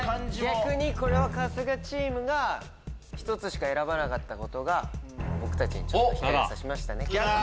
逆に春日チームが１つしか選ばなかったことが僕たちに光が差しましたね。